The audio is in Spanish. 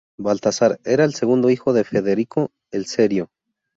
Baltasar era el segundo hijo de Federico el Serio.